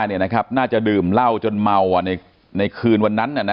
น่าจะดื่มเหล้าจนเมาในคืนวันนั้น